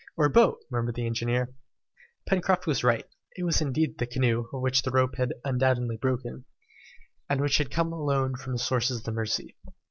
"Our boat?" murmured the engineer. Pencroft was right. It was indeed the canoe, of which the rope had undoubtedly broken, and which had come alone from the sources of the Mercy.